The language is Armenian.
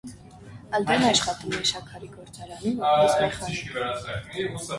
Ալդոն աշխատում է շաքարի գործարանում՝ որպես մեխանիկ։